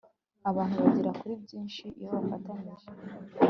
Abantu bagera kuri byinshi iyo bafatanije